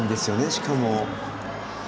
しかも。